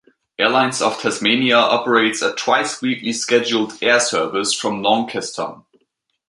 Airlines of Tasmania operates a twice-weekly scheduled air service from Launceston.